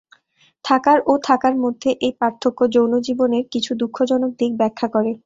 থাকার ও থাকার মধ্যে এই পার্থক্য যৌন জীবনের কিছু দুঃখজনক দিক ব্যাখ্যা করে।